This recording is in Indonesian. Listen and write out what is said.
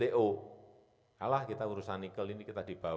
sekali lagi meskipun kita kalah di wto kalah kita urusan nikel ini kita dibawa ke bumt